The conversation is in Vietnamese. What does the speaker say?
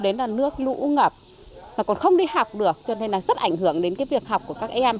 nhưng mà mùa mưa đến là nước lũ ngập mà còn không đi học được cho nên là rất ảnh hưởng đến việc học của các em